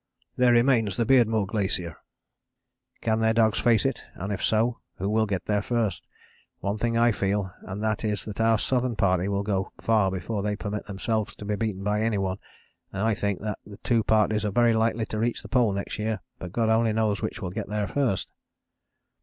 "There remains the Beardmore Glacier. Can their dogs face it, and if so, who will get there first. One thing I feel and that is that our Southern Party will go far before they permit themselves to be beaten by any one, and I think that two parties are very likely to reach the Pole next year, but God only knows which will get there first.